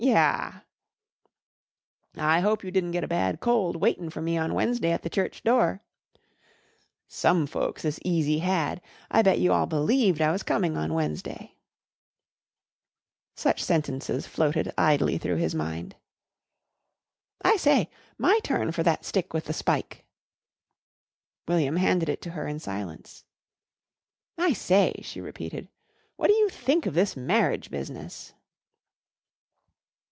Yah!" "I hope you didn't get a bad cold waitin' for me on Wednesday at the church door." "Some folks is easy had. I bet you all believed I was coming on Wednesday." [Illustration: THEY USED THE ALPENSTOCK IN TURNS IT WAS A GREAT HELP.] Such sentences floated idly through his mind. "I say, my turn for that stick with the spike." William handed it to her in silence. "I say," she repeated, "what do you think of this marriage business?"